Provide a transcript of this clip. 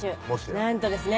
なんとですね